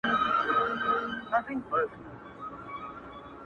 لکه جوړه له مرمرو نازنینه.!